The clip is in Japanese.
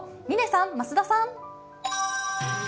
嶺さん、増田さん。